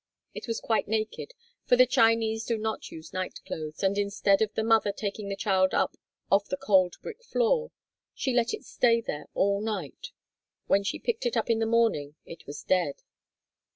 It was quite naked for the Chinese do not use night clothes, and instead of the mother taking the child up off the cold brick floor, she let it stay there all night. When she picked it up in the morning it was dead.